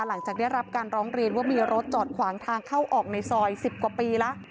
หลังจากได้รับการร้องเรียนว่ามีรถจอดขวางทางเข้าออกในซอย๑๐กว่าปีแล้ว